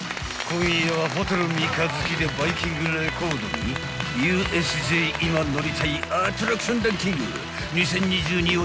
［今夜はホテル三日月でバイキングレコードに［ＵＳＪ今乗りたいアトラクションランキング２０２２を大発表］